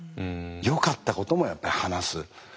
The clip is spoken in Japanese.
よかったこともやっぱり話す。